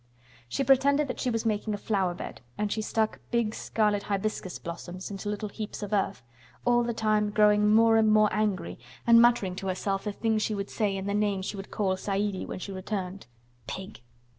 She pretended that she was making a flower bed, and she stuck big scarlet hibiscus blossoms into little heaps of earth, all the time growing more and more angry and muttering to herself the things she would say and the names she would call Saidie when she returned. "Pig!